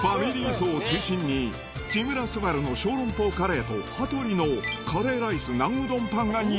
層を中心に、木村昴の小籠包カレーと、羽鳥のカレーライスナンうどんパンが人